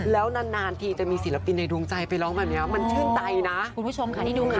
แล้วนานทีจะมีศิลปินในดวงใจไปร้องแบบเนี่ยว่ามันชื่นใจนะ